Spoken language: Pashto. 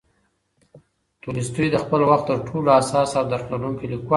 تولستوی د خپل وخت تر ټولو حساس او درک لرونکی لیکوال و.